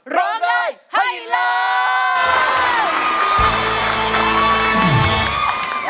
ร้องได้ให้เลิศ